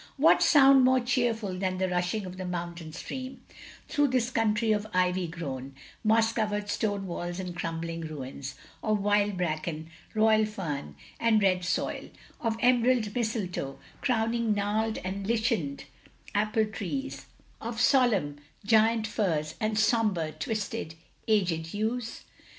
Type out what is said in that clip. What sound more cheerful than the rushing of the mountain stream, through this cotmtry of ivy grown, moss covered stone walls and cnun bling ruins; of wild bracken, royal fern, and red soil; of emerald mistletoe crowning gnarled and lichened apple trees; of solemn, giant firs, and sombre, twisted, aged yews?